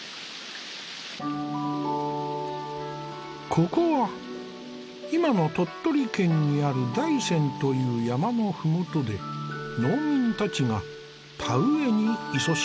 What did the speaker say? ここは今の鳥取県にある大山という山の麓で農民たちが田植えにいそしんでいる。